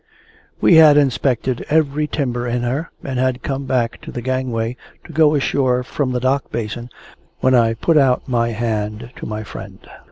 We had inspected every timber in her, and had come back to the gangway to go ashore from the dock basin, when I put out my hand to my friend.